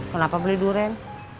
kenapa beli durian